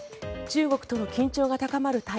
中国との緊張が高まる